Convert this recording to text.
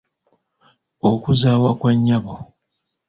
Okuzaawa kwa nnyabo.